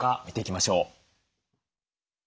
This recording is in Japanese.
見ていきましょう。